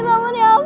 roman ya ampun